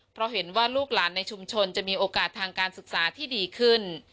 เพราะเห็นว่าลูกหลานในชุมชนจะมีโอกาสทางการศึกษาที่ดีขึ้น